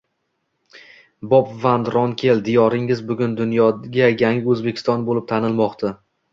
Bob Van Ronkel: diyoringiz bugun dunyoga yangi O‘zbekiston bo‘lib tanilmoqda